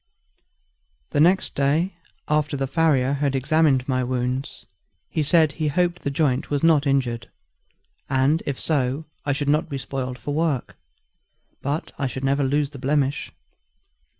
The next day after the farrier had examined my wounds, he said he hoped the joint was not injured; and if so, I should not be spoiled for work, but I should never lose the blemish.